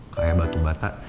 kayak batu bata